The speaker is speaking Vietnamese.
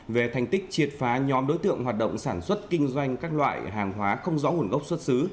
về thành tích triệt phá nhóm đối tượng hoạt động sản xuất kinh doanh các loại hàng hóa không rõ nguồn gốc xuất xứ